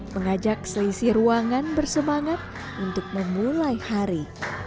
mengajak selisih ruangan bersemangat untuk memulai hari